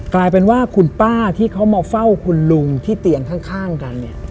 กลายเป็นว่าคุณป้าที่เขามาเฝ้าคุณลุงที่เตียงข้างกันเนี่ย